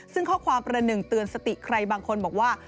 ซึ่งข้อความประหนึ่งเตือนสติใครบางคนบอกว่า